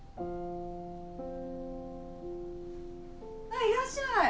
あっいらっしゃい。